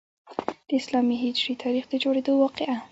د اسلامي هجري تاریخ د جوړیدو واقعه.